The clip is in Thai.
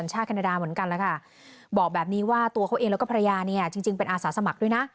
แคนาดาเหมือนกันแล้วค่ะบอกแบบนี้ว่าตัวเขาเองแล้วก็ภรรยาเนี่ยจริงจริงเป็นอาสาสมัครด้วยนะ